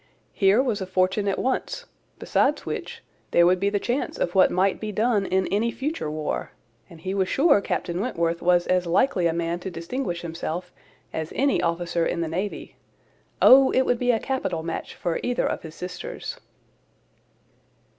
Here was a fortune at once; besides which, there would be the chance of what might be done in any future war; and he was sure Captain Wentworth was as likely a man to distinguish himself as any officer in the navy. Oh! it would be a capital match for either of his sisters."